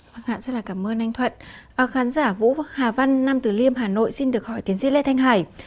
vâng ạ rất là cảm ơn anh thuận khán giả vũ hà văn nam từ liêm hà nội xin được hỏi tiến sĩ lê thanh hải